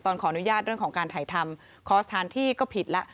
ขออนุญาตเรื่องของการถ่ายทำขอสถานที่ก็ผิดแล้ว